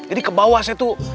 jadi ke bawah saya tuh